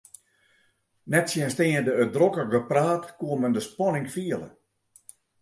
Nettsjinsteande it drokke gepraat koe men de spanning fiele.